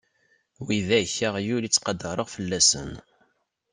Widak aɣyul i ttqadareɣ fell-asen.